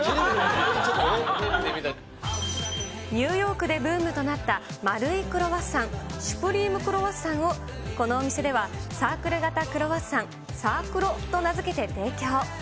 ニューヨークでブームとなった丸いクロワッサン、シュプリームクロワッサンを、このお店ではサークル型クロワッサン、サークロと名付けて提供。